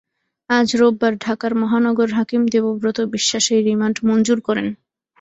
আজ রোববার ঢাকার মহানগর হাকিম দেবব্রত বিশ্বাস এই রিমান্ড মঞ্জুর করেন।